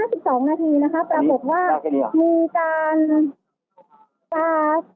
ห้าสิบสองนาทีนะคะพระบุกว่าอยู่การคุศ